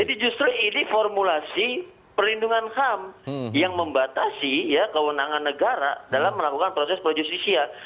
jadi justru ini formulasi perlindungan ham yang membatasi ya kewenangan negara dalam melakukan proses pro justisia